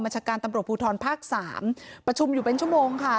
ชาการตำรวจภูทรภาค๓ประชุมอยู่เป็นชั่วโมงค่ะ